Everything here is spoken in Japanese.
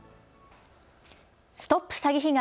ＳＴＯＰ詐欺被害！